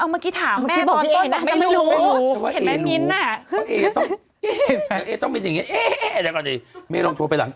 เมื่อกี้ถามแม่ยของต้น